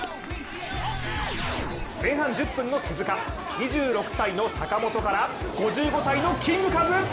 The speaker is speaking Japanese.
前半１０分の鈴鹿、２６歳の坂本から、５５歳のキングカズ！